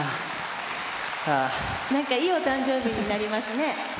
「なんかいいお誕生日になりますね」